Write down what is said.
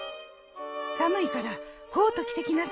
寒いからコート着てきなさい。